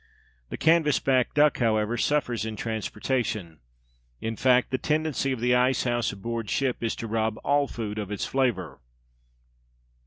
The canvass back duck, however, suffers in transportation; in fact, the tendency of the ice house aboard ship is to rob all food of its flavour.